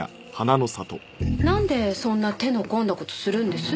なんでそんな手の込んだ事するんです？